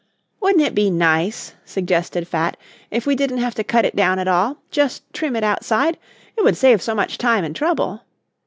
"Wouldn't it be nice," suggested Fat, "if we didn't have to cut it down at all, just trim it outside? It would save so much time and trouble."